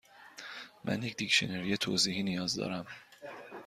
من یک دیکشنری توضیحی نیاز دارم.